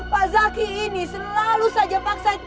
pak zaki ini selalu saja paksanya